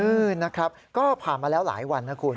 เออนะครับก็ผ่านมาแล้วหลายวันนะคุณ